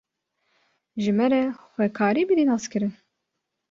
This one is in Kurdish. ji me re xwe karî bidî naskirin